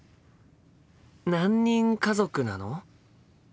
何人家族なの？